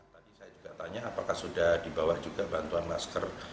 tadi saya juga tanya apakah sudah di bawah juga bantuan masker